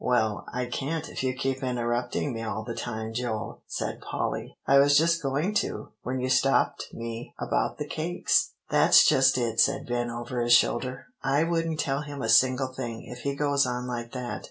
"Well, I can't if you keep interrupting me all the time, Joel," said Polly; "I was just going to, when you stopped me about the cakes." "That's just it," said Ben over his shoulder. "I wouldn't tell him a single thing, if he goes on like that.